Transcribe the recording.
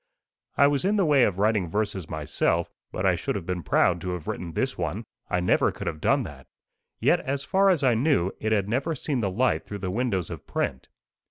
I was in the way of writing verses myself; but I should have been proud to have written this one. I never could have done that. Yet, as far as I knew, it had never seen the light through the windows of print.